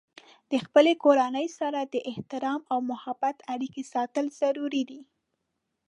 د خپلې کورنۍ سره د احترام او محبت اړیکې ساتل ضروري دي.